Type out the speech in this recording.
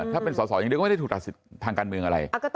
ถ้าเป็นสอสออย่างเดียวก็ไม่ได้ถูกตัดสิทธิ์ทางการเมืองอะไร